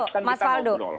kita daftar kita ngobrol